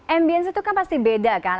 ambience itu kan pasti beda kan